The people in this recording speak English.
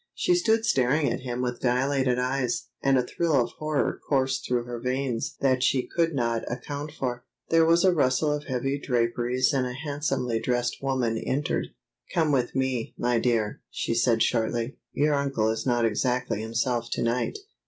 She stood staring at him with dilated eyes, and a thrill of horror coursed through her veins that she could not account for. There was a rustle of heavy draperies and a handsomely dressed woman entered. "Come with me, my dear," she said shortly. "Your uncle is not exactly himself to night.